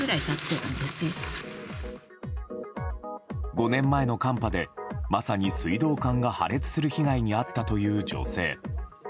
５年前の寒波でまさに水道管が破裂する被害に遭ったという女性。